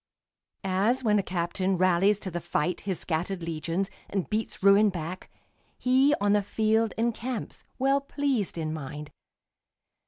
As when a captain rallies to the fight His scattered legions, and beats ruin back, He, on the field, encamps, well pleased in mind.